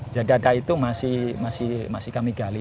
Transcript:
jadi data itu masih kami gali